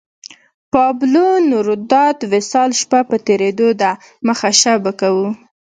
پابلو نوروداد وصال شپه په تېرېدو ده مخه شه به کوو